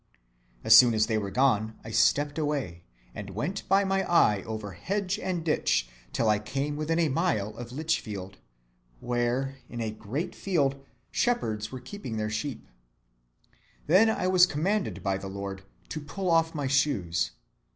As soon as they were gone I stept away, and went by my eye over hedge and ditch till I came within a mile of Lichfield; where, in a great field, shepherds were keeping their sheep. Then was I commanded by the Lord to pull off my shoes.